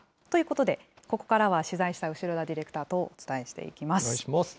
ということで、ここからは取材した後田ディレクターとお伝えしてお願いします。